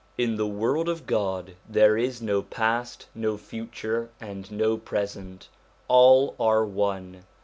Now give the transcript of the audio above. In the world of God there is no past, no future, and no present ; all are one.